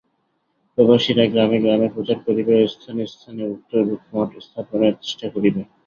প্রবাসীরা গ্রামে গ্রামে প্রচার করিবে ও স্থানে স্থানে উক্তরূপ মঠ স্থাপনের চেষ্টা করিবে।